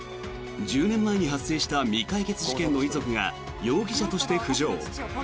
１０年前に発生した未解決事件の遺族が容疑者として浮上。